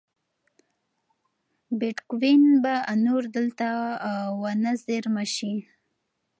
بېټکوین به نور دلته ونه زېرمه شي.